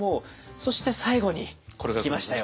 そして最後に来ましたよ。